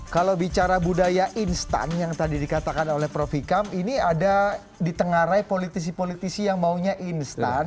kalau bicara budaya instan yang tadi dikatakan oleh prof hikam ini ada di tengah rai politisi politisi yang maunya instan